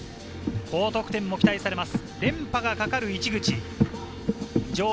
高得点も期待されます。